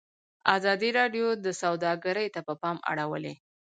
ازادي راډیو د سوداګري ته پام اړولی.